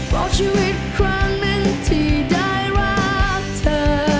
บอกชีวิตครั้งหนึ่งที่ได้รักเธอ